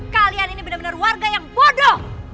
kalian ini benar benar warga yang bodong